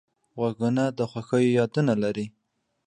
غوږونه د خوښیو یادونه لري